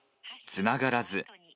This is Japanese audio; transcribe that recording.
つながらず。